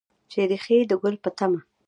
چې ریښې د ګل په تمه